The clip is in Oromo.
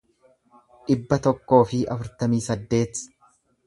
dhibba tokkoo fi afurtamii saddeet